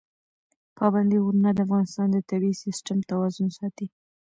پابندي غرونه د افغانستان د طبعي سیسټم توازن ساتي.